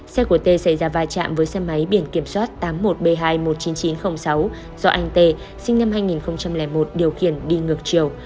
xe của t xảy ra vai trạm với xe máy biển kiểm soát tám mươi một b hai trăm một mươi chín nghìn chín trăm linh sáu do anh tê sinh năm hai nghìn một điều khiển đi ngược chiều